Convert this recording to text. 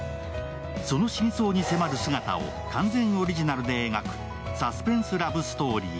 その真相に迫る姿を完全オリジナルで描くサスペンスラブストーリー